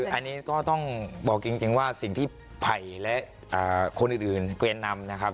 อันนี้ก็ต้องบอกจริงว่าสิ่งที่ไผ่และคนอื่นเกวียนนำนะครับ